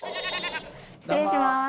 失礼します。